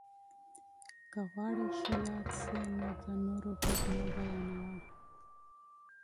که غواړې ښه یاد سې، د نور بد مه بيانوه!